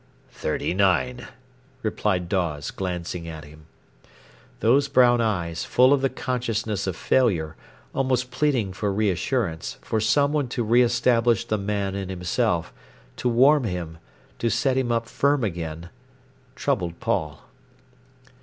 "Thirty nine," replied Dawes, glancing at him. Those brown eyes, full of the consciousness of failure, almost pleading for reassurance, for someone to re establish the man in himself, to warm him, to set him up firm again, troubled Paul.